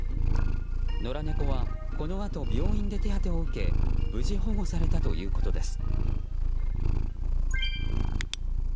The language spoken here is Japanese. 野良猫はこのあと病院で手当てを受け無事、保護されたということです。